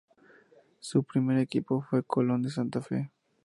Su primer equipo fue Colón de Santa Fe.